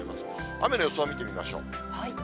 雨の予想を見てみましょう。